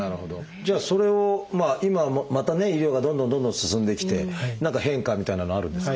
じゃあそれを今またね医療がどんどんどんどん進んできて何か変化みたいなのはあるんですか？